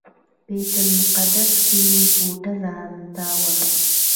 بیت المقدس کې مې کوټه ځانته وه.